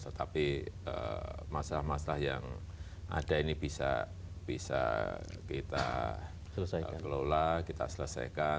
tetapi masalah masalah yang ada ini bisa kita kelola kita selesaikan